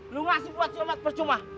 lo ngasih buat si omas percuma